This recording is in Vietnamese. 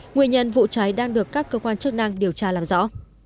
nguyên nhân vụ cháy đang được các cơ quan chức năng điều tra làm rõ